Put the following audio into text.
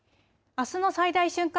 あすの最大瞬間